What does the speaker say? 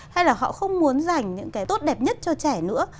hay là họ không muốn dành những cái tốt đẹp nhất cho trẻ nữa